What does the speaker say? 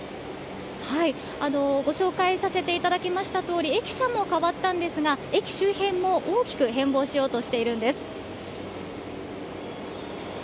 ご紹介させていただきましたとおり、駅舎も変わったんですが、駅周辺も大きく変貌しようとしているんです。